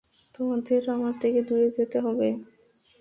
তোমাদের আমার থেকে দূরে যেতে হবে।